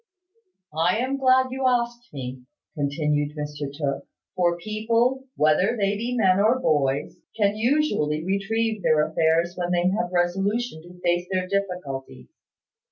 "I am glad you asked me," continued Mr Tooke; "for people, whether they be men or boys, can usually retrieve their affairs when they have resolution to face their difficulties.